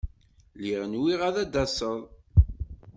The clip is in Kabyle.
Lliɣ nwiɣ ad d-taseḍ.